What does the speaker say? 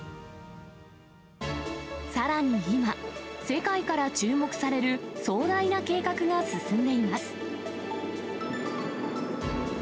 さらに今、世界から注目される壮大な計画が進んでいます。